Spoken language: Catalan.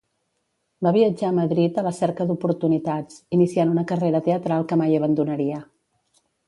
Va viatjar a Madrid a la cerca d'oportunitats, iniciant una carrera teatral que mai abandonaria.